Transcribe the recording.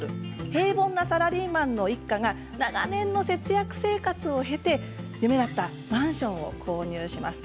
平凡なサラリーマンの一家が長年の節約生活を経て夢だったマンションを購入します。